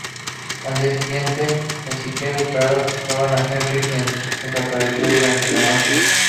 Al día siguiente, Ezekiel y Carol buscan a Henry, quien desapareció durante la noche.